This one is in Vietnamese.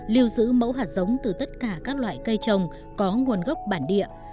lưu giữ mẫu hạt giống từ tất cả các loại cây trồng có nguồn gốc bản địa